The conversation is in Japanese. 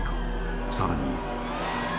［さらに］